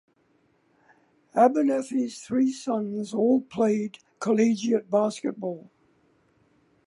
Abernethy's three sons all played collegiate basketball.